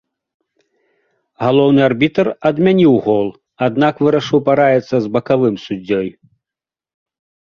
Галоўны арбітр адмяніў гол, аднак вырашыў параіцца ў бакавым суддзёй.